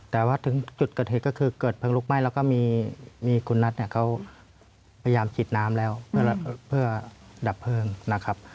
แต่ว่าถึงจุดเกิดเหตุก็คือเกิดเพลิงลุกไหม้แล้วก็มีคุณนัทเนี่ยเขาพยายามฉีดน้ำแล้วเพื่อดับเพลิงนะครับ